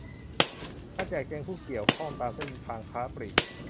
การแจกแจงผู้เกี่ยวข้องตามเส้นทางค้าปลีก